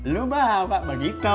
lu bahawa berdikto